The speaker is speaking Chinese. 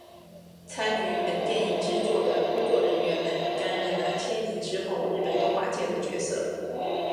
参与本电影制作的工作人员们担任了牵引之后日本动画界的角色。